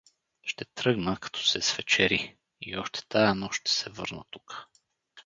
— Ще тръгна, като се свечери, и още тая нощ ще се върна тука.